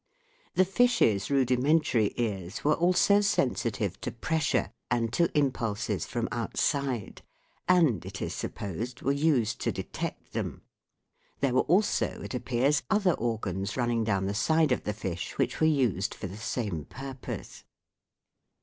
The fish's rudimentary ears were also sensitive to pressure and to impulses from outside ; and, it is supposed, were used to detect them. There were also, it appears, other organs running down the side of the fish which were used for the same purpose.